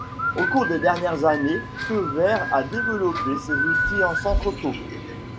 Au cours des dernières années, Feu Vert a développé ses outils en centres auto.